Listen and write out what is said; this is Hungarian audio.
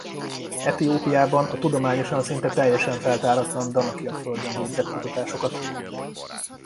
Etiópiában a tudományosan szinte teljesen feltáratlan Danakil-földön végzett kutatásokat.